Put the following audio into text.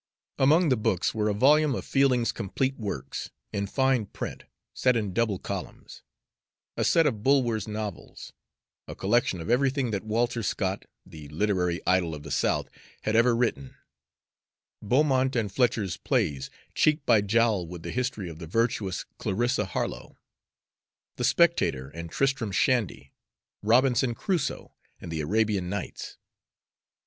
Among the books were a volume of Fielding's complete works, in fine print, set in double columns; a set of Bulwer's novels; a collection of everything that Walter Scott the literary idol of the South had ever written; Beaumont and Fletcher's plays, cheek by jowl with the history of the virtuous Clarissa Harlowe; the Spectator and Tristram Shandy, Robinson Crusoe and the Arabian Nights.